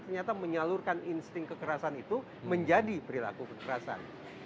ternyata menyalurkan insting kekerasan itu menjadi perilaku kekerasan